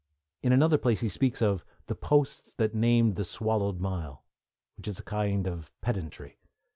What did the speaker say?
In another place he speaks of The posts that named the swallowed mile, which is a kind of pedantry.